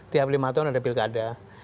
tiap lima tahun ada pilkada